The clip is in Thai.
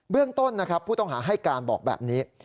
เรื่องต้นนะครับผู้ต้องหาให้การบอกแบบนี้